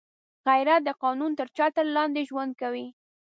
غیرت د قانون تر چتر لاندې ژوند کوي